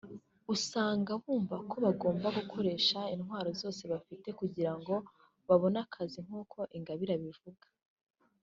usanga bumva ko bagomba gukoresha intwaro zose bafite kugira ngo babone akazi nk’uko Ingabire abivuga